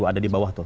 ada di bawah tuh